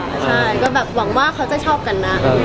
ใช่ก็แบบหวังว่าเขาจะชอบกันนะ